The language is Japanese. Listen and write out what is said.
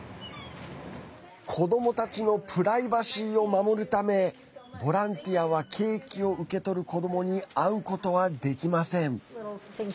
子どもたちのプライバシーを守るためボランティアはケーキを受け取る子どもに会うことはできません。